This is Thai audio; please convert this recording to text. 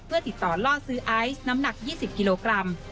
เพื่อติดต่อล่อซื้อไอซ์น้ำหนัก๒๐กิโลกรัม